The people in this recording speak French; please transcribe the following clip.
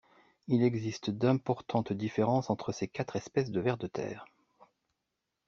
Il existe d'importantes différences entre ces quatre espèces de vers de terre.